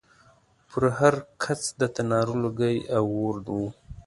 پر هر کڅ د تناره لوګی او اور و